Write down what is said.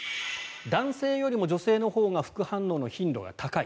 男性よりも女性のほうが副反応の頻度が高い。